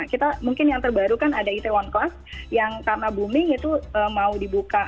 kita mungkin yang terbaru kan ada itaewon class yang karena booming itu mau dibuka